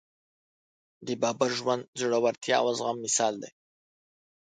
د بابر ژوند د زړورتیا او زغم مثال دی.